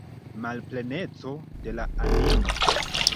Malpleneco de la animo.